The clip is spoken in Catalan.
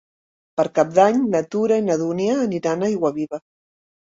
Per Cap d'Any na Tura i na Dúnia aniran a Aiguaviva.